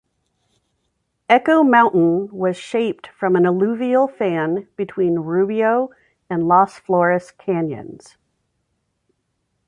Echo Mountain was shaped from an alluvial fan between Rubio and Las Flores canyons.